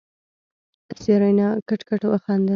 سېرېنا کټ کټ وخندل.